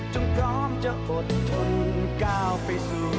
พร้อมจะอดทนก้าวไปสู่